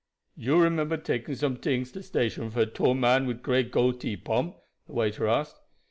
"You remember taking some tings to station for a tall man wid gray goatee, Pomp?" the waiter asked.